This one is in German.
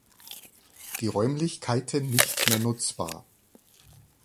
Die Räumlichkeiten nicht mehr nutzbar.